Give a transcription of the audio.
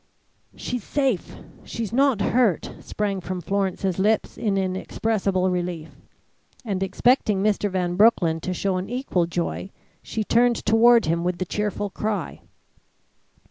"She's safe! She's not hurt!" sprang from Florence's lips in inexpressible relief; and expecting Mr. Van Broecklyn to show an equal joy, she turned toward him, with the cheerful cry.